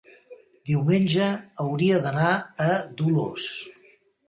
Diumenge hauria d'anar a Dolors.